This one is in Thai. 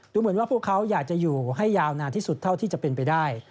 เหมือนว่าพวกเขาอยากจะอยู่ให้ยาวนานที่สุดเท่าที่จะเป็นไปได้